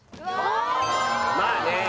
まあね。